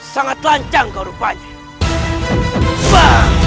sangat lancang kau rupanya